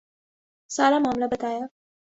سارا معاملہ بتایا۔